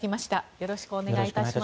よろしくお願いします。